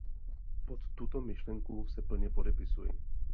Pod tuto myšlenku se plně podepisuji.